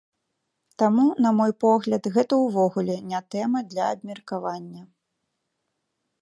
Таму, на мой погляд, гэта ўвогуле не тэма для абмеркавання.